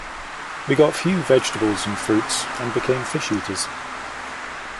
We got few vegetables and fruits, and became fish eaters.